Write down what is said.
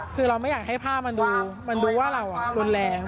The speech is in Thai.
คือเราไม่อยากให้ภาพมันดูว่าเรารุนแรง